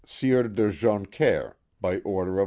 Sieur de Joncaire, by order of M.